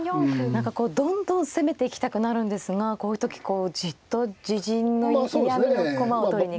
何かどんどん攻めていきたくなるんですがこういう時じっと自陣の嫌みの駒を取りに行く。